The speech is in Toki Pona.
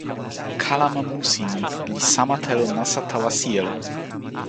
kalama musi ni li sama telo nasa tawa sijelo.